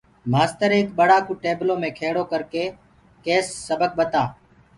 مآستر ايڪ ٻڙآ ڪو ٽيبلو مي کِيڙو ڪرڪي ڪيس سبڪ ٻتآ